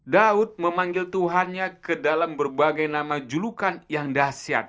daud memanggil tuhannya ke dalam berbagai nama julukan yang dahsyat